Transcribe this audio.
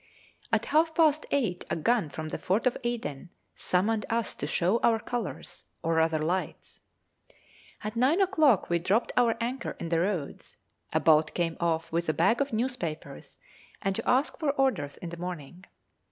At half past eight a gun from the fort at Aden summoned us to show our colours, or rather lights. At nine o'clock we dropped our anchor in the roads; a boat came off with a bag of newspapers and to ask for orders in the morning.